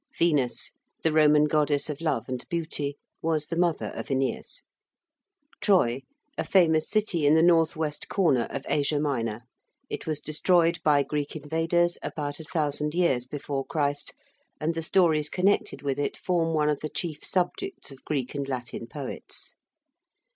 ~Venus~, the Roman Goddess of Love and Beauty, was the mother of Æneas. ~Troy~: a famous city in the north west corner of Asia Minor. It was destroyed by Greek invaders about 1,000 years before Christ, and the stories connected with it form one of the chief subjects of Greek and Latin poets.